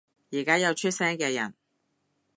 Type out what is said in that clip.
而家有出聲嘅人